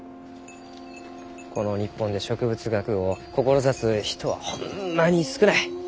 この日本で植物学を志す人はホンマに少ない。